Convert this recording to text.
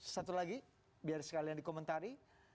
satu lagi biar sekalian dikomentari